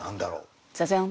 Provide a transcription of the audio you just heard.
ジャジャン。